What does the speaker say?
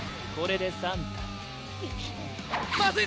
これで３体。